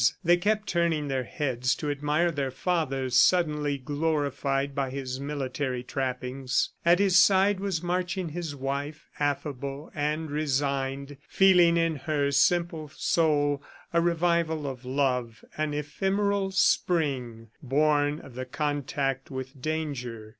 They kept turning their heads to admire their father, suddenly glorified by his military trappings. At his side was marching his wife, affable and resigned, feeling in her simple soul a revival of love, an ephemeral Spring, born of the contact with danger.